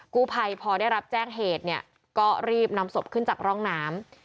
กู้ภัยพอได้รับแจ้งเหตุเนี่ยก็รีบนำศพขึ้นจากร่องน้ำ